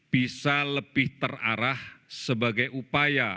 bisa lebih terarah sebagai upaya